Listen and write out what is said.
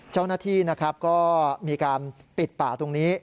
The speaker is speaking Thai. เจ้าหน้าที่นะครับก็มีการปิดป่าตรงนี้